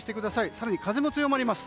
更に、風も強まります。